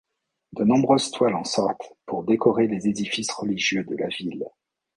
De nombreuses toiles en sortent pour décorer les édifices religieux de la ville.